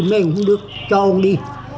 mình cũng được cho ông đi